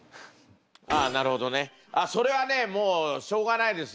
あなるほどね。それはねもうしょうがないですね。